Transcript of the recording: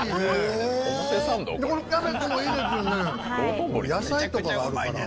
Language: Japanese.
でこのキャベツもいいですよね。